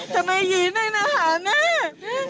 ทำไมอี๋ไม่หัวมาหาแม่